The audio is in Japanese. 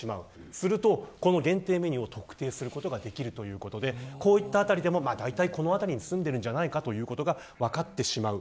すると、この限定メニューを特定することができるということでだいたいこの辺りに住んでいるんじゃないかということが分かってしまう。